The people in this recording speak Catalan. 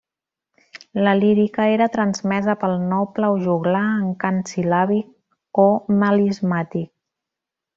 La lírica era transmesa pel noble o joglar en cant sil·làbic o melismàtic.